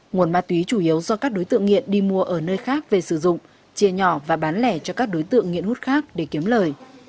nguồn ma túy chủ yếu do các đối tượng nghiện đi mua ở nơi khác về sử dụng chia nhỏ và bán lẻ cho các đối tượng nghiện hút khác để kiếm lời